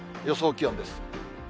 予想気温です。